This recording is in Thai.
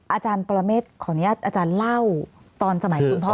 อาจารย์ปรเมฆขออนุญาตอาจารย์เล่าตอนสมัยคุณพ่อ